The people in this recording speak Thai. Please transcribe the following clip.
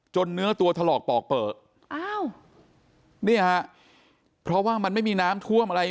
เนื้อตัวถลอกปอกเปลืออ้าวเนี่ยฮะเพราะว่ามันไม่มีน้ำท่วมอะไร